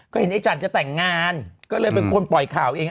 ก็เห็นไอ้จันทร์จะแต่งงานก็เลยเป็นคนปล่อยข่าวเอง